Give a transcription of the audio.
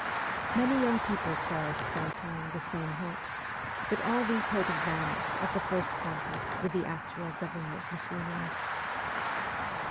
Many young people cherished for a time the same hopes ; but all these hopes vanished at the first contact with the actual government machinery.